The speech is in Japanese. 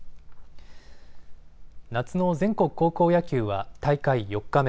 夏の全国高校野球は大会４日目。